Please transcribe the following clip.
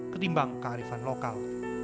ketimbang kearifan lokal